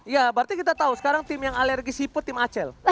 ya berarti kita tahu sekarang tim yang alergis hipot tim acel